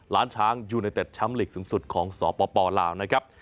ร้านช้างยูเนเต็ดแชมป์ลีกสูงสุดของสปลาวนะครับ